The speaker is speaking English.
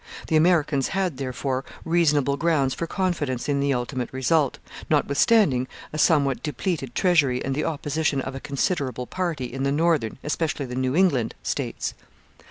The Americans had, therefore, reasonable grounds for confidence in the ultimate result, notwithstanding a somewhat depleted treasury and the opposition of a considerable party in the northern, especially the New England, States.